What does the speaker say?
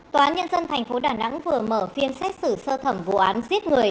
tòa án nhân dân thành phố đà nẵng vừa mở phiên xét xử sơ thẩm vụ án giết người